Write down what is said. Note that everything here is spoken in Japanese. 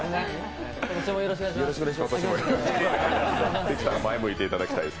今年もよろしくお願いします。